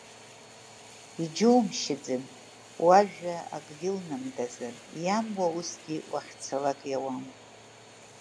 Иџьоумшьаӡан уажәа акгьы ылнамдазар, иамуа усгьы уахьцалак иауам.